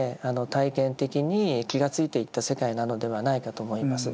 体験的に気がついていった世界なのではないかと思います。